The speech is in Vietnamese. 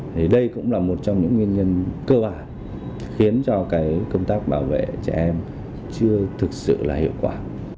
thì đây cũng là một trong những nguyên nhân cơ bản khiến cho cái công tác bảo vệ trẻ em chưa thực sự là hiệu quả